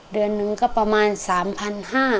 เดือนหนึ่งก็ประมาณ๓๕๐๐บาท